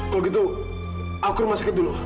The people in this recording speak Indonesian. kalau gitu aku rumah sakit dulu